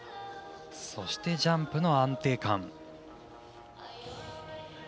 そして、ジャンプの安定感。